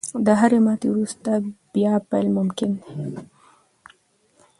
• د هرې ماتې وروسته، بیا پیل ممکن دی.